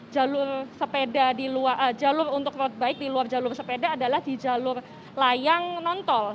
jalur untuk road bike di luar jalur sepeda adalah di jalur layang nontol